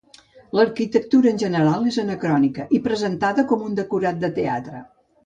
L'arquitectura en general és anacrònica i presentada com un decorat de teatre.